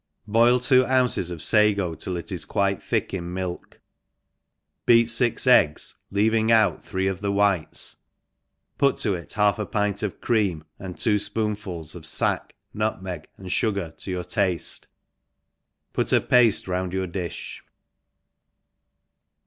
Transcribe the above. BOIL twoouncesof fagotill it is quite th\ck m milk, beat fix eggs, leaving out three of the whites, put to it half a pint of cream, two fpoonfuls of fack, nutmeg and fugar to your tafte 5 put a pafte round yout difh.